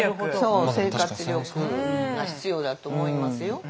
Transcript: そう生活力が必要だと思いますよ。